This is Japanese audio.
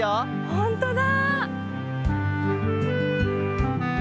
ほんとだ！